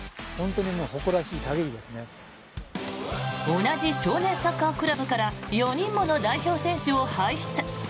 同じ少年サッカークラブから４人もの代表選手を輩出。